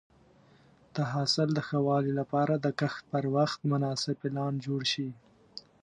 د حاصل د ښه والي لپاره د کښت پر وخت مناسب پلان جوړ شي.